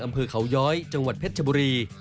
อำเภอเขาย้อยจังหวัดเพชรชบุรี